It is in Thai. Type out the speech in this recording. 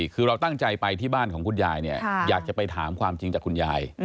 คือเราตั้งใจไปที่บ้านของคุณยายเนี่ยอยากจะไปถามความจริงจากคุณยาย